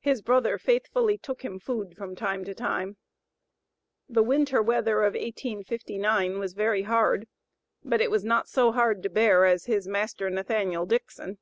His brother faithfully took him food from time to time. The winter weather of 1859 was very hard, but it was not so hard to bear as his master Nathaniel Dixon.